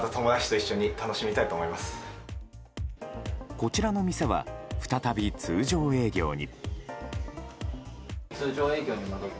こちらの店は再び通常営業に。